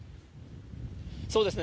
そうですね。